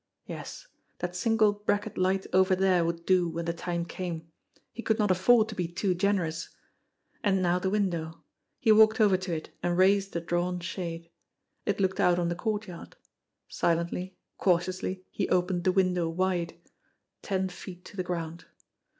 Yes, that single bracket light over there would do when the time came. He could not afford to be too generous ! And now the window. He walked over to it and raised the drawn shade. It looked out on the courtyard. Silently, cautiously,, he opened the window wide. Ten feet to the ground.